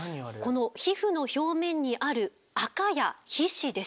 この皮膚の表面にあるアカや皮脂です。